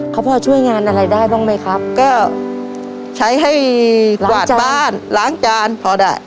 เขาพอช่วยงานอะไรได้บ้างไหมครับก็ใช้ให้กวาดบ้านล้างจานพอได้